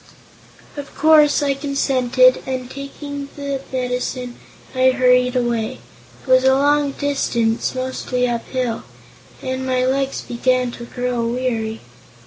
Of course I consented and, taking the medicine, I hurried away. It was a long distance, mostly up hill, and my legs began to grow weary.